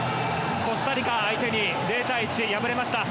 コスタリカ相手に０対１で敗れました。